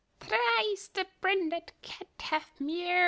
Thrice the brinded cat hath mew'd.